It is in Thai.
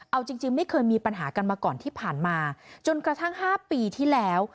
เอาจริงจริงไม่เคยมีปัญหากันมาก่อนที่ผ่านมาจนกระทั่ง๕ปีที่แล้ว